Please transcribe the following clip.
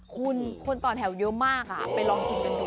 สุดท้าย